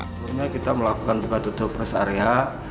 sebenarnya kita melakukan buka tutup res area